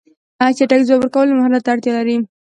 چټک ځواب ورکول مهارت ته اړتیا لري.